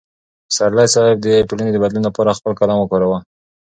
پسرلی صاحب د ټولنې د بدلون لپاره خپل قلم وکاراوه.